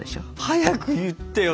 早く言ってよ